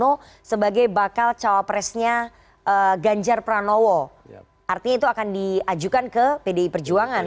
sandiaga uno sebagai bakal cawapres nya ganjar pranowo arti itu akan diajukan ke pdi perjuangan